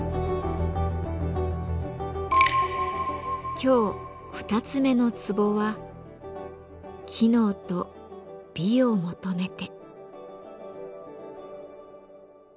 今日２つ目の壺は「機能と美を求めて」。